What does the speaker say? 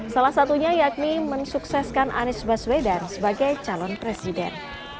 salah satunya yakni mensukseskan anies baswedan sebagai calon presiden